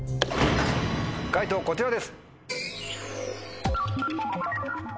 解答こちらです。